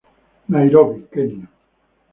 Nairobi, Kenia.